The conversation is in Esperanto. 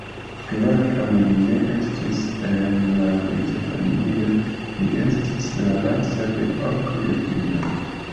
Kvankam li ne estis el malriĉa familio, li estis la lasta de ok gefiloj.